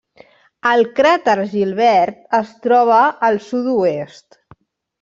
El cràter Gilbert es troba al sud-oest.